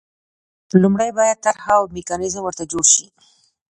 لومړی باید طرح او میکانیزم ورته جوړ شي.